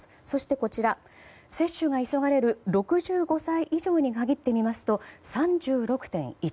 そして接種が急がれる６５歳以上に限ってみますと３６．１％。